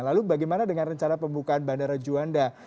lalu bagaimana dengan rencana pembukaan bandara juanda